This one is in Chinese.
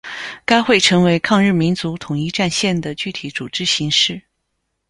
该会成为抗日民族统一战线的具体组织形式。